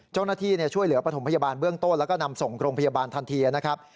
เจ้าหน้าที่ช่วยเหลือปฐมพยาบาลเบื้องต้นแล้วก็นำส่งโรงพยาบาลทันทีนะครับ